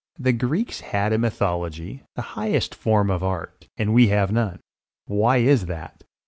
The Greeks had a mythology, the highest form of Art, and we have none. Why is that?